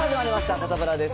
サタプラです。